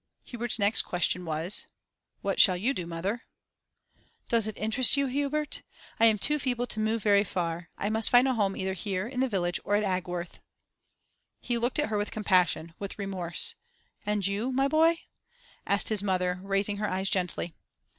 Hubert's next question was, 'What shall you do, mother?' 'Does it interest you, Hubert? I am too feeble to move very far. I must find a home either here in the village or at Agworth.' He looked at her with compassion, with remorse. 'And you, my boy?' asked his mother, raising her eyes gently.